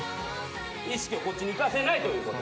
意識をこっちにいかせないということ。